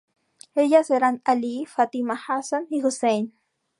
Ellas eran Ali, Fátima, Hasan y Husayn.